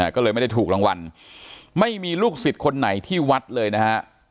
ก็เลยไม่ได้ถูกรางวัลไม่มีลูกศิษย์คนไหนที่วัดเลยนะฮะ